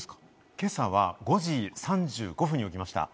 今朝は５時３５分に起きました。